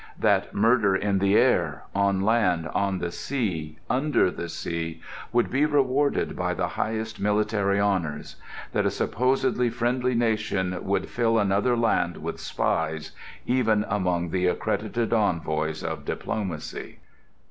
That murder in the air, on land, on the sea, under the sea, would be rewarded by the highest military honours? That a supposedly friendly nation would fill another land with spies—even among the accredited envoys of diplomacy?